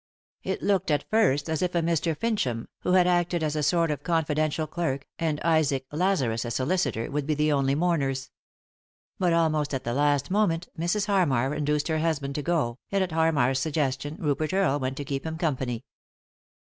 It looked at first as if a Mr. Fincham, who had acted as a sort of confi dential clerk, and Isaac Lazarus, a solicitor, would be the only mourners. But, almost at the last moment, Mrs. Harmar induced her husband to go, and, at Harraar's suggestion, Rupert Earle went to keep him company.